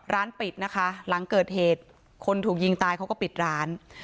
ร้านปิดนะคะหลังเกิดเหตุคนถูกยิงตายเขาก็ปิดร้าน